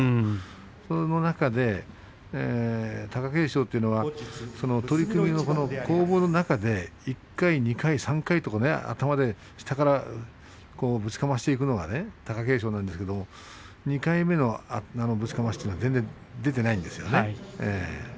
その中で貴景勝というのは取組の攻防の中で１回２回３回とか頭で下からぶちかましていくのが貴景勝なんですけれど２回目のぶちかましというのが全然出ていないんですよね。